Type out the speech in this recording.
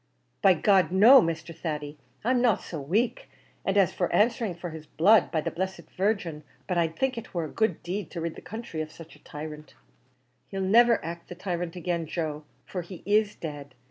"By G d! no, Mr. Thady; I'm not so wake; and as for answering for his blood, by the blessed Virgin, but I'd think it war a good deed to rid the counthry of such a tyrant." "He'll niver act the tyrant again, Joe, for he is dead.